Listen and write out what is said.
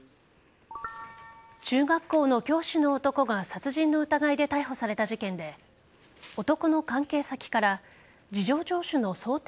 中学校の教師の男が殺人の疑いで逮捕された事件で男の関係先から事情聴取の想定